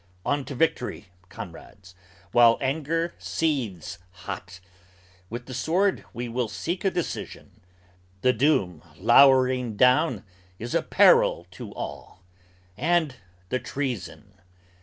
On to victory, comrades, While anger seethes hot. With the sword we will seek a decision The doom lowering down is a peril to all, and the treason.